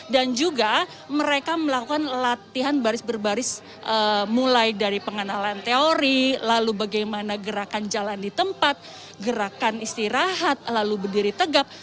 dan juga mereka melakukan latihan baris baris mulai dari pengenalan teori lalu bagaimana gerakan jalan di tempat gerakan istirahat lalu berdiri tegap